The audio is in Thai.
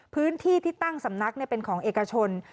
พื้นที่ที่ตั้งสำนักเป็นของเอกชน